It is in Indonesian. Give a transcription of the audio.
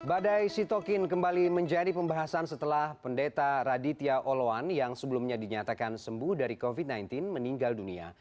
badai sitokin kembali menjadi pembahasan setelah pendeta raditya oloan yang sebelumnya dinyatakan sembuh dari covid sembilan belas meninggal dunia